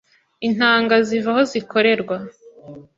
intanga ziva aho zikorerwa